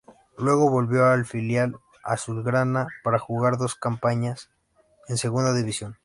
Luego volvió al filial azulgrana para jugar dos campañas en Segunda División.